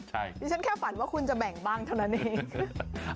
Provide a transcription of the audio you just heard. ดิฉันแค่ฝันว่าคุณจะแบ่งบ้างเท่านั้นเอง